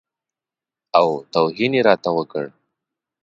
او توهین یې راته وکړ.